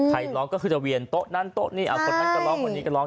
ร้องก็คือจะเวียนโต๊ะนั้นโต๊ะนี่คนนั้นก็ร้องคนนี้ก็ร้อง